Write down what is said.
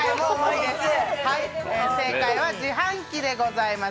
正解は自販機でございます。